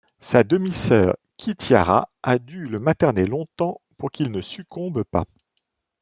Sa demi-sœur Kitiara a dû le materner longtemps pour qu'il ne succombe pas.